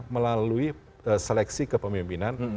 melalui seleksi kepemimpinan